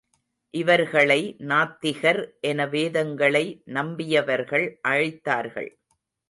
இவர்களை நாத்திகர் என வேதங்களை நம்பியவர்கள் அழைத்தார்கள்.